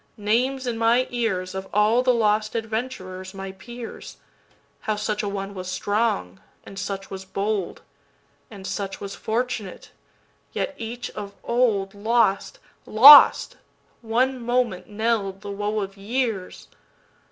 Names in my earsOf all the lost adventurers my peers,—How such a one was strong, and such was bold, And such was fortunate, yet each of oldLost, lost! one moment knell'd the woe of years.